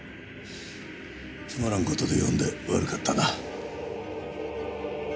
つまらん事で呼んで悪かったな。